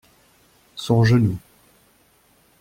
Son genou.